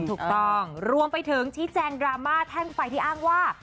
ถูกต้องรวมไปถึงชี้แจงดราม่าแท่งไฟที่อ้างว่า